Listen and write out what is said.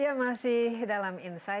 ya masih pada astronomical